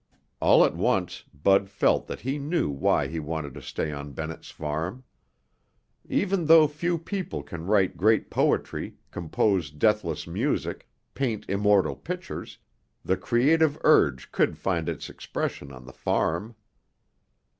All at once Bud felt that he knew why he wanted to stay on Bennett's Farm. Even though few people can write great poetry, compose deathless music, paint immortal pictures, the creative urge could find its expression on the farm.